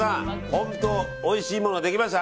本当、おいしいものできました。